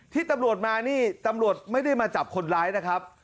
ที่ตำรวจมานี่ตำรวจไม่ได้มาจับคนร้ายนะครับ